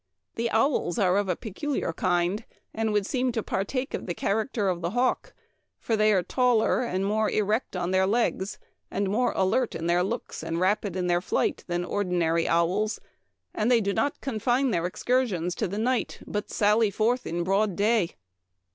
The owls are of a peculiar kind, and would seem to partake of the charac ter of the hawk, for they are taller and more erect on their legs, more alert in their looks and rapid in their flight than ordinary owls, and do not confine their excursions to the night, but sally forth in broad day.